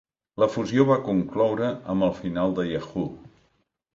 La fusió va concloure amb el final de Yahoo!